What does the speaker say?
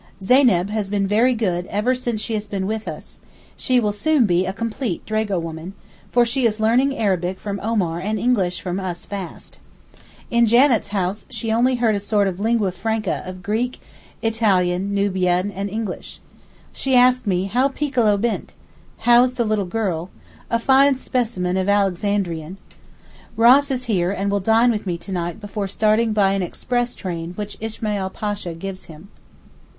Zeyneb has been very good ever since she has been with us, she will soon be a complete 'dragowoman,' for she is learning Arabic from Omar and English from us fast. In Janet's house she only heard a sort of 'lingua franca' of Greek, Italian, Nubian and English. She asked me 'How piccolo bint?' (How's the little girl?) a fine specimen of Alexandrian. Ross is here, and will dine with me to night before starting by an express train which Ismail Pasha gives him.